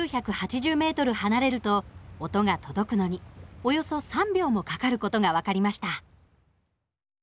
９８０ｍ離れると音が届くのにおよそ３秒もかかる事が分かりました。